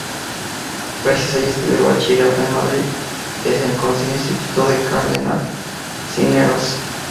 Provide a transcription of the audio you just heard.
Gracias a ella estudió el Bachillerato en Madrid, en el conocido Instituto Cardenal Cisneros.